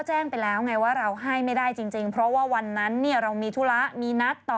จริงพวกดาราดาร์เลอร์อะไรอย่างนี้คำมาก